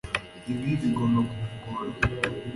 Ibi bigomba kukugora